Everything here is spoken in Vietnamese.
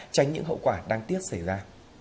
tránh những hậu quả đáng tiếc xảy ra